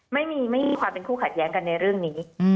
ไม่มีความเป็นคู่ขัดแย้งกันในเรื่องนี้